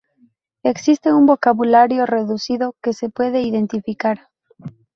Existe un vocabulario reducido que se puede identificar.